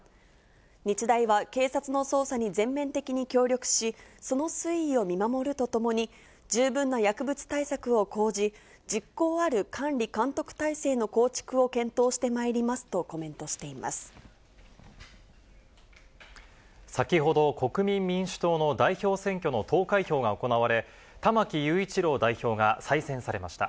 日大は警察の捜査に全面的に協力し、その推移を見守るとともに、十分な薬物対策を講じ、実効ある管理監督体制の構築を検討してまいりますとコメントして先ほど、国民民主党の代表選挙の投開票が行われ、玉木雄一郎代表が再選されました。